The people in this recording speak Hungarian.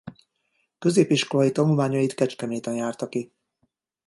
Középiskolai tanulmányait Kecskeméten járta ki.